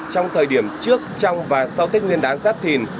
trong thời điểm trước trong và sau tết nguyên đán giáp thìn